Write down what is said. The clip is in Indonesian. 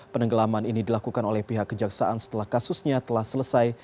penenggelaman ini dilakukan oleh pihak kejaksaan setelah kasusnya telah selesai